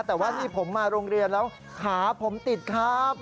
แต่ว่านี่ผมมาโรงเรียนแล้วขาผมติดครับ